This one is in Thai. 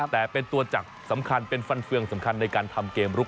แต่เป็นตัวจักรสำคัญเป็นฟันเฟืองสำคัญในการทำเกมลุก